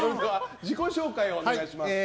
自己紹介をお願いします。